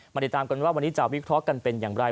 ติดตามกันว่าวันนี้จะวิเคราะห์กันเป็นอย่างไร